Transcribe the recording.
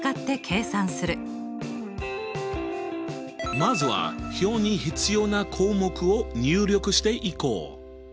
まずは表に必要な項目を入力していこう。